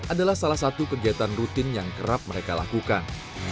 adalah salah satu kegiatan rutin yang kerap mereka lakukan